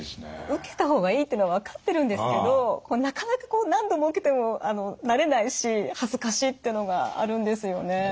受けた方がいいっていうのは分かってるんですけどなかなかこう何度も受けても慣れないし恥ずかしいっていうのがあるんですよね。